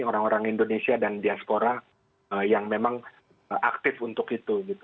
orang orang indonesia dan diaspora yang memang aktif untuk itu